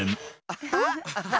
アハハ！